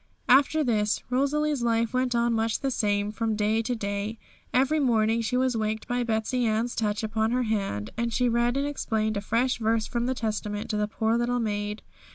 After this, Rosalie's life went on much the same from day to day. Every morning she was waked by Betsey Ann's touch upon her hand, and she read and explained a fresh verse from the Testament to the poor little maid.